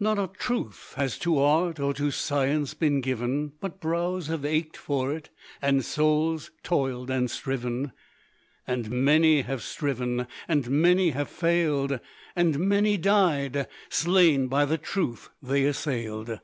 Not a truth has to art or to science been given, But brows have ached for it, and souls toiled and striven; And many have striven, and many have failed, And many died, slain by the truth they assailed."